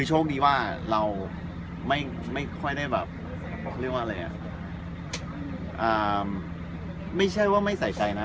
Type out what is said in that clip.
ชีวิตนี้ไม่ใช่ว่าไม่ใส่ใจนะ